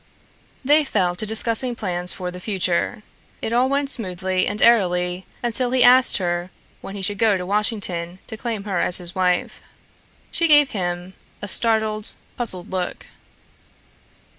They fell to discussing plans for the future. It all went smoothly and airily until he asked her when he should go to Washington to claim her as his wife. She gave him a startled, puzzled look.